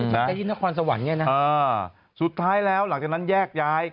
บันทึกจะมาขึ้นไอ้พี่นครสวรรค์